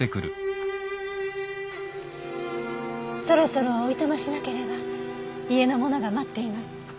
そろそろおいとましなければ家の者が待っています。